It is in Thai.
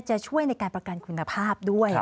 จะช่วยในการประกันคุณภาพด้วย